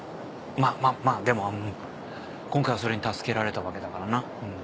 まぁまぁでもうん今回はそれに助けられたわけだからな。